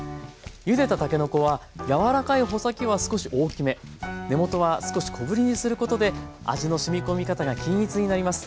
ゆでたたけのこは柔らかい穂先は少し大きめ根元は少し小ぶりにすることで味のしみ込み方が均一になります。